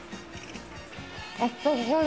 あったかい